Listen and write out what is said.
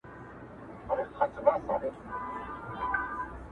سخت کار وکړه